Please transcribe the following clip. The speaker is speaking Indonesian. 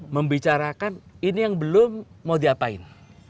membicarakan ini yang belum mau diapain